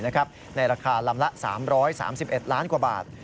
ในราคาลำละ๓๓๑ล้านกว่าบาท